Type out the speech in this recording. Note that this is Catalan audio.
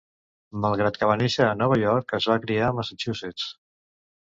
Malgrat que va néixer a Nova York es va criar a Massachusetts.